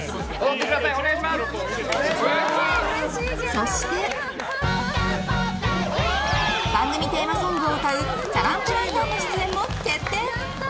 そして番組テーマソングを歌うチャラン・ポ・ランタンの出演も決定！